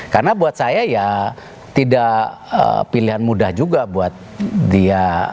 karena buat saya ya tidak pilihan mudah juga buat dia